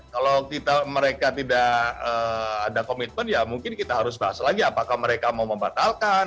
kalau mereka tidak ada komitmen ya mungkin kita harus bahas lagi apakah mereka mau membatalkan